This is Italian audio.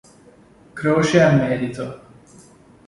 Croce al merito